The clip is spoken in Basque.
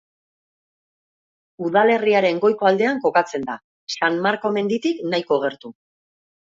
Udalerriaren goiko aldean kokatzen da, San Marko menditik nahiko gertu.